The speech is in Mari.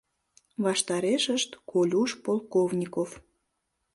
Ваштарешышт — Колюш Полковников.